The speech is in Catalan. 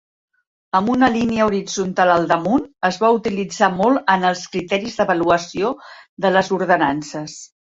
Amb una línia horitzontal al damunt, es va utilitzar molt en els criteris d'avaluació de les ordenances.